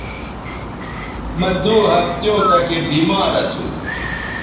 مہ دو ہفتیوں تکے بیمار اسو